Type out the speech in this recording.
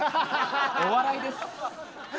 お笑いです。